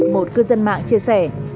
một cư dân mạng chia sẻ